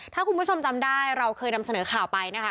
ถ้าคุณผู้ชมจำได้เราเคยนำเสนอข่าวไปนะคะ